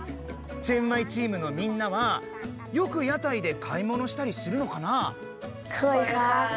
チェンマイチームのみんなはよく屋台で買い物したりするのかな？